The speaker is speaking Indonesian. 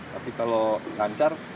tapi kalau lancar